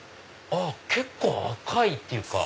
結構赤いっていうか。